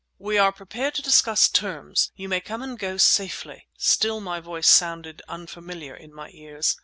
"We are prepared to discuss terms. You may come and go safely"—still my voice sounded unfamiliar in my ears.